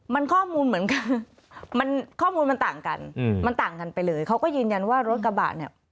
มันข้อมูลเหมือนกันมันข้อมูลมันต่างกันอืมมันต่างกันไปเลยเขาก็ยืนยันว่ารถกระบะเนี่ย